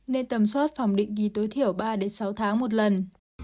nên tầm soát phòng định kỳ tối thiểu ba sáu tháng một lần